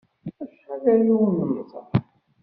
Acḥal aya ur nemmẓer.